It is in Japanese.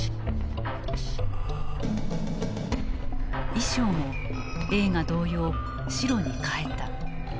衣装も映画同様白に変えた。